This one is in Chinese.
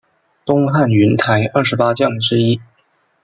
东汉云台二十八将之一。